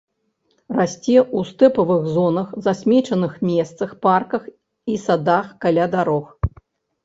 Расце ў стэпавых зонах, засмечаных месцах, парках і садах, каля дарог.